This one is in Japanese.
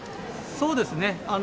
そうですね。